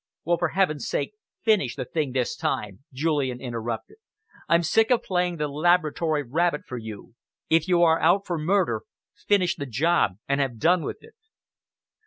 "Well, for heaven's sake finish the thing this time!" Julian interrupted. "I'm sick of playing the laboratory rabbit for you. If you are out for murder, finish the job and have done with it."